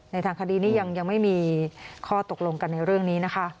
ทางคดีนี้ยังไม่มีข้อตกลงกันในเรื่องนี้นะคะ